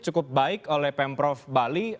cukup baik oleh pemprov bali